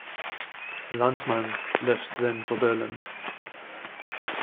Landmann left then for Berlin.